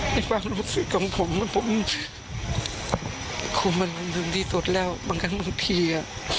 ในความรู้สึกของผมผมมันถึงที่สุดแล้วบางครั้งบางที